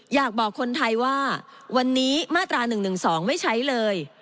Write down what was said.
อยากบอกคนไทยว่าวันนี้มาตรา๑๑๒ไม่ใช้เลย